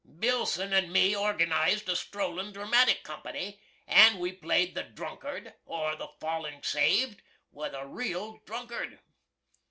Billson and me orjanized a strollin' dramatic company, & we played The Drunkard, or the Falling Saved, with a real drunkard.